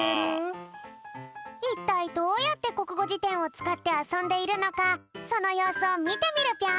いったいどうやってこくごじてんをつかってあそんでいるのかそのようすをみてみるぴょん。